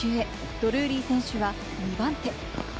ドルーリー選手は２番手。